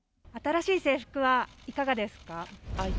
新しい制服はいかがですか？